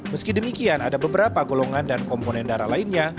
meski demikian ada beberapa golongan dan komponen darah lainnya